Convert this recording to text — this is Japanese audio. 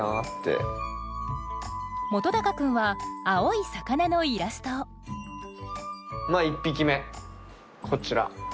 本君は青い魚のイラストをまあ１匹目こちら。